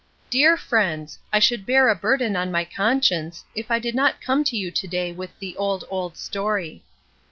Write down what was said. Dear Friends: I should bear a burden on my conscience, if I did not come to you to day with the 'old, old story.'